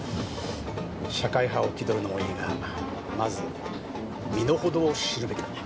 社会派を気取るのもいいがまず身のほどを知るべきだな。